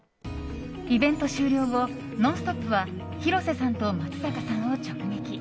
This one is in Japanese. イベント終了後「ノンストップ！」は広瀬さんと松坂さんを直撃。